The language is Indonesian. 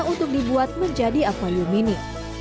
untuk dibuat menjadi akmalium ini